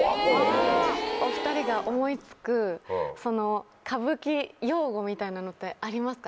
お２人が思い付く歌舞伎用語みたいなのってありますか？